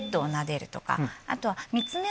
あとは。